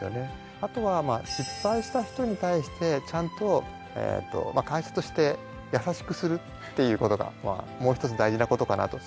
あとはまあ失敗した人に対してちゃんと会社として優しくするっていうことがもう一つ大事なことかなと。